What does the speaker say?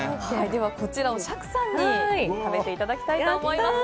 では、こちらを釈さんに食べていただきたいと思います。